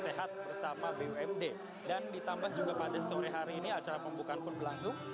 sehat bersama bumd dan ditambah juga pada sore hari ini acara pembukaan pun berlangsung